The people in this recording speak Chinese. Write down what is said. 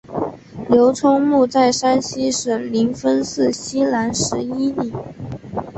刘聪墓在山西省临汾市西南十一里。